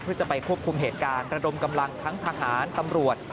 เพื่อจะไปควบคุมเหตุการณ์ระดมกำลังทั้งทหารตำรวจ